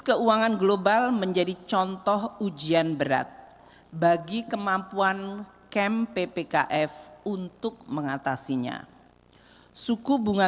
keuangan global menjadi contoh ujian berat bagi kemampuan camp ppkf untuk mengatasinya suku bunga